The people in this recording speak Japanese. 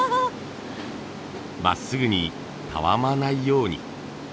まっすぐにたわまないように。